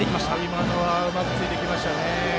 今のはうまくついていきましたね。